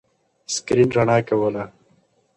سکرین رڼا کوله.